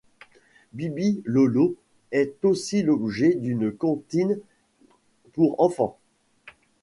Bibi Lolo est aussi l'objet d'une comptine pour enfants.